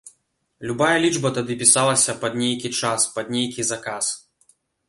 Любая лічба тады пісалася пад нейкі час, пад нейкі заказ.